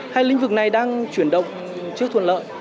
hai lĩnh vực này đang chuyển động chưa thuận lợi